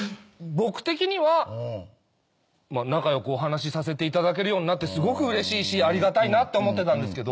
僕的には仲良くお話しさせていただけるようになってすごくうれしいしありがたいなって思ってたんですけど。